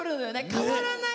変わらない。